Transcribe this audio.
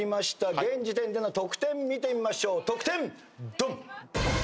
現時点での得点見てみましょう得点ドン！